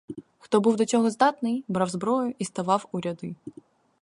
Хто був до цього здатний, брав зброю і ставав у ряди.